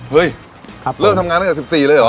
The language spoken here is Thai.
เฮ้ยเลิกทำงานตั้งแต่๑๔เลยเหรอ